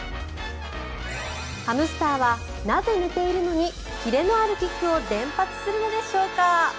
ハムスターはなぜ寝ているのにキレのあるキックを連発するのでしょうか。